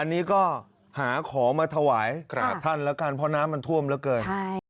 อันนี้ก็หาของมาถวายท่านแล้วกันเพราะน้ำมันท่วมเหลือเกิน